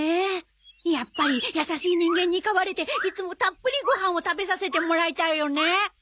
やっぱり優しい人間に飼われていつもたっぷりご飯を食べさせてもらいたいよね。